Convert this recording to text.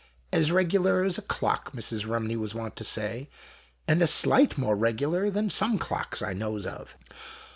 " As reg'lar as a clock," Mrs. Rumney was wont to say, "and a sight more reg'lar than some clocks I knows of."